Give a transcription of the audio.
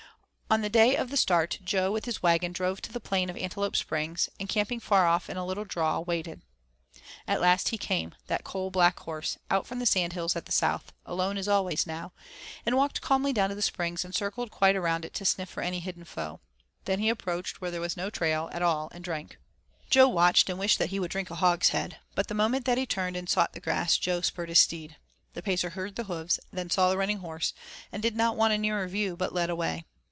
On the day of the start Jo with his wagon drove to the plain of Antelope Springs and, camping far off in a little draw, waited. At last he came, that coal black Horse, out from the sand hills at the south, alone as always now, and walked calmly down to the Springs and circled quite around it to sniff for any hidden foe. Then he approached where there was no trail at all and drank. Jo watched and wished that he would drink a hogs head. But the moment that he turned and sought the grass Jo spurred his steed. The Pacer heard the hoofs, then saw the running horse, and did not want a nearer view but led away.